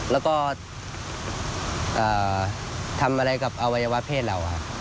แล้วก็ทำอะไรกับอวัยวะเพศเรา